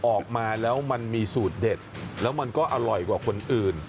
ออกมาแล้วมันมีสูตรเด็ดแล้วมันก็อร่อยกว่าคนอื่น